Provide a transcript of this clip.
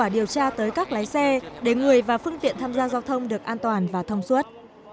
kết quả điều tra tới các lái xe để người và phương tiện tham gia giao thông được an toàn và thông suất